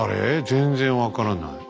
全然分からない。